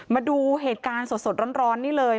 มาดูเหตุการณ์สดร้อนนี่เลย